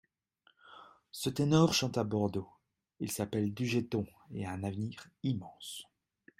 Ce ténor chante à Bordeaux… il s’appelle Dujeton et a un avenir immense…